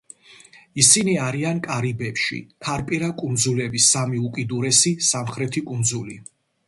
ისინი არიან კარიბებში, ქარპირა კუნძულების სამი უკიდურესი სამხრეთი კუნძული.